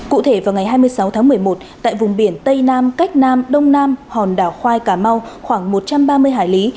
cụ thể vào ngày hai mươi sáu tháng một mươi một tại vùng biển tây nam cách nam đông nam hòn đảo khoai cà mau khoảng một trăm ba mươi hải lý